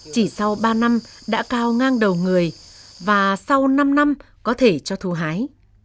chỉ sau ba năm đã cao ngang đầu người và sau năm năm có thể cho thu hái